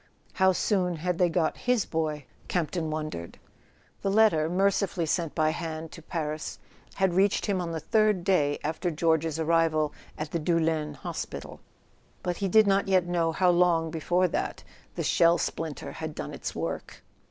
How soon had they got his boy, Campton wondered ? The letter, mercifully sent by hand to Paris, had reached him on the third day after George's arrival at the Doul lens hospital; but he did not yet know how long before that the shell splinter had done its work.